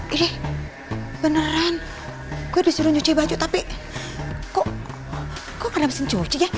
ini beneran gue disuruh nyuci baju tapi kok gak ada mesin cuci ya